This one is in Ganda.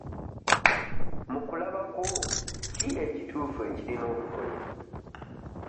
Mu kulaba kwo ki ekituufu ekirina okukolebwa?